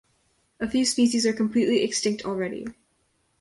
A few species are completely extinct already.